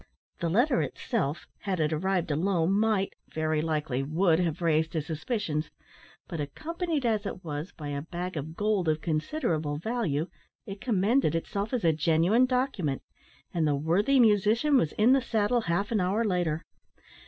The letter itself; had it arrived alone, might, very likely would, have raised his suspicions, but accompanied as it was by a bag of gold of considerable value, it commended itself as a genuine document; and the worthy musician was in the saddle half an hour later.